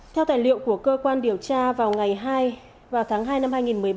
theo tài liệu của cơ quan điều tra vào ngày hai tháng hai năm hai nghìn một mươi bảy